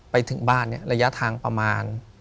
ไปถึงบ้านเนี่ยระยะทางประมาณ